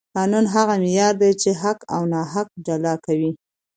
قانون هغه معیار دی چې حق او ناحق جلا کوي